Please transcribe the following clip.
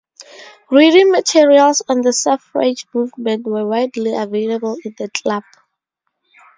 Reading materials on the suffrage movement were widely available in the club.